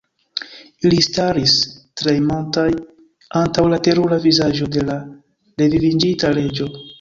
Ili staris tremantaj antaŭ la terura vizaĝo de la reviviĝinta Reĝo.